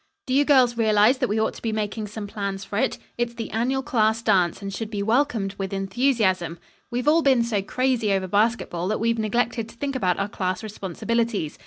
Do you girls realize that we ought to be making some plans for it? It's the annual class dance, and should be welcomed, with enthusiasm. We've all been so crazy over basketball that we've neglected to think about our class responsibilities.